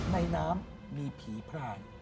ในน้ำมีผีพราน